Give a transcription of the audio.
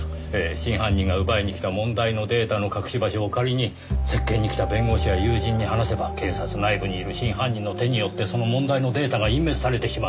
真犯人が奪いに来た問題のデータの隠し場所を仮に接見にきた弁護士や友人に話せば警察内部にいる真犯人の手によってその問題のデータが隠滅されてしまう。